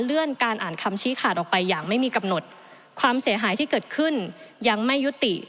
เลื่อนการอ่านคำชี้ขาดออกไปอย่างไม่มีกำหนดความเสียหายที่เกิดขึ้นยังไม่ยุติ